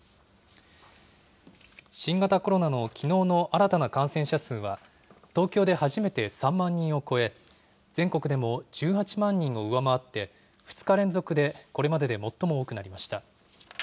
新型コロナのきのうの新たな感染者数は、東京で初めて３万人を超え、全国でも１８万人を上回って２日連続でこれまでで最も多くなりました。